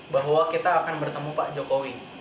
bahwa kita akan bertemu pak jokowi